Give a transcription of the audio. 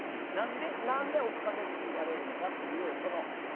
何で追っかけずにいられるのか。